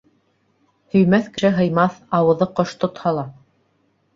Һөймәҫ кеше һыймаҫ, ауыҙы ҡош тотһа ла